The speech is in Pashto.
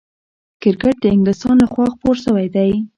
کرکټ د انګلستان له خوا خپور سوی دئ.